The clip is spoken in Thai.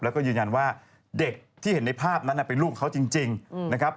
แล้วก็ยืนยันว่าเด็กที่เห็นในภาพนั้นเป็นลูกเขาจริงนะครับ